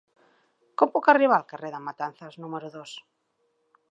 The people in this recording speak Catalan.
Com puc arribar al carrer de Matanzas número dos?